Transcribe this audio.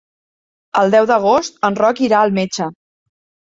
El deu d'agost en Roc irà al metge.